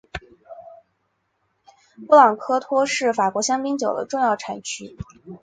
布朗科托是法国香槟酒的重要产区。